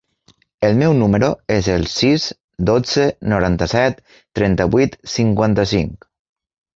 El meu número es el sis, dotze, noranta-set, trenta-vuit, cinquanta-cinc.